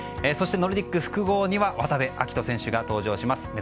そしてノルディック複合には渡部暁斗選手が出場します。